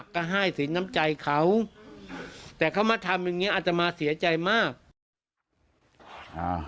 ก็ให้ศีลน้ำใจเขาแต่เขามาทำอย่างเงี้ยอาตมาเสียใจมากเลยนะครับ